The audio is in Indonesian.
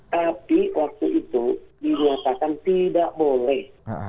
tapi waktu itu dinyatakan tidak boleh